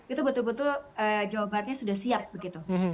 itu betul betul jawa baratnya sudah siap begitu